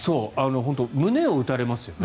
本当胸を打たれますよね。